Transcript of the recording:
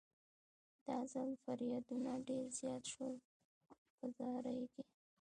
دا ځل فریادونه ډېر زیات شول په زارۍ کې.